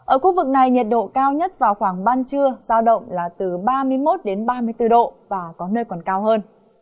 ở khu vực này nhiệt độ cao nhất vào khoảng ban trưa giao động là từ ba mươi một đến ba mươi bốn độ và có nơi còn cao hơn